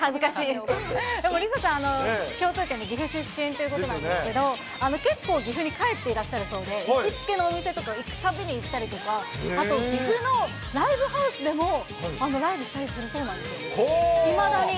でもＬｉＳＡさん、共通点が岐阜出身ということなんですけど、結構岐阜に帰っていらっしゃるそうで、行きつけのお店とか、行くたびに行ったりとか、あと、岐阜のライブハウスでもライブしたりするそうなんですよ、いまだに。